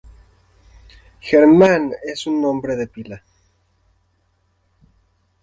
Germán es un nombre de pila.